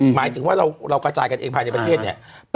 หมายถึงว่าเรากระจายกันเองภายในประเทศเนี่ย